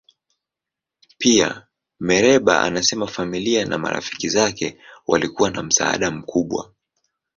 Pia, Mereba anasema familia na marafiki zake walikuwa na msaada mkubwa.